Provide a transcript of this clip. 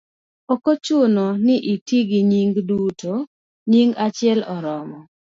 ok ochuno ni iti gi nyingi duto; nying achiel oromo.